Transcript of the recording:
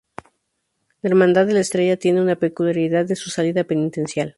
La Hermandad de la Estrella tiene una peculiaridad en su salida penitencial.